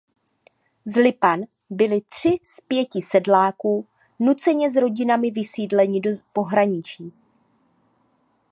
Z Lipan byli tři z pěti sedláků nuceně s rodinami vysídleni do pohraničí.